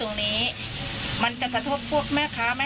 เกิดว่าจะต้องมาตั้งโรงพยาบาลสนามตรงนี้